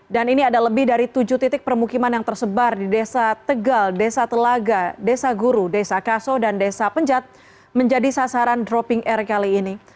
dan ini ada lebih dari tujuh titik permukiman yang tersebar di desa tegal desa telaga desa guru desa kaso dan desa penjat menjadi sasaran dropping air kali ini